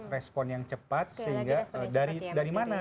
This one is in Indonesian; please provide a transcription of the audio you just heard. respon yang cepat sehingga dari mana